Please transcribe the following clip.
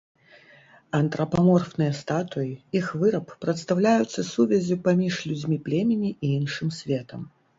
Антрапаморфныя статуі, іх выраб прадстаўляюцца сувяззю паміж людзьмі племені і іншым светам.